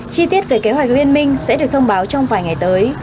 chi tiết về kế hoạch liên minh sẽ được thông báo trong vài ngày tới